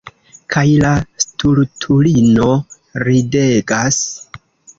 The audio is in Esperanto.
Kaj la stultulino ridegas.